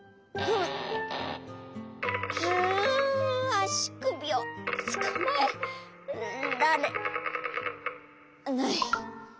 あしくびをつかまえられない。